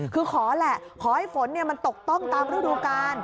คือขอแหละขอให้ฝนมันตกต้องตามฤดูกาล